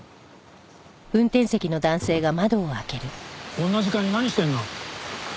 こんな時間に何してんの？